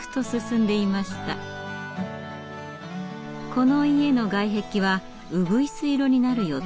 この家の外壁はうぐいす色になる予定。